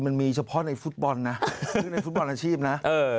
มันมีเฉพาะในฟู้ดบอลนะเชื่อในฟู้ดบอลอาชีพนะ